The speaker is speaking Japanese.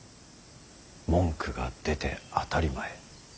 文句が出て当たり前。